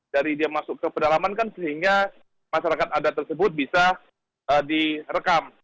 dari dia masuk ke pedalaman kan sehingga masyarakat adat tersebut bisa direkam